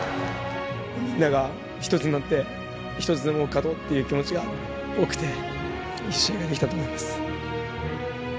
みんなが一つになって一つでも多く勝とうっていう気持ちが多くていい試合ができたと思います。